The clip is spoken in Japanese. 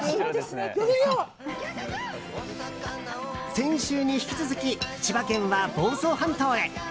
先週に引き続き千葉県は房総半島へ。